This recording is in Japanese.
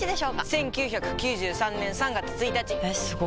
１９９３年３月１日！えすご！